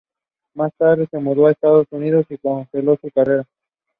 Fortier took the silver medal in both the figure and team events.